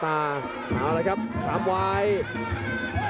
ลาวสตาร์มาแล้วครับตามไวน์